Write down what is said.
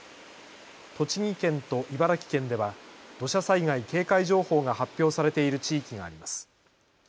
栃木県と茨城県では土砂災害警戒情報が発表されている地域があります。